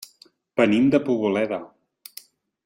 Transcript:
Venim de Poboleda.